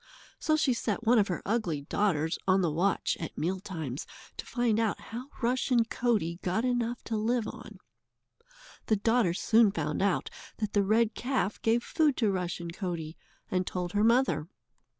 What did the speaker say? So she set one of her ugly daughters on the watch at meal times to find out how Rushen Coatie got enough to live on. The daughter soon found out that the red calf gave food to Rushen Coatie, and told her mother.